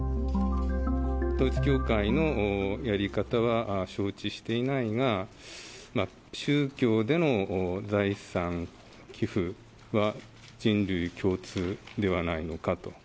統一教会のやり方は承知していないが、宗教での財産寄付は人類共通ではないのかと。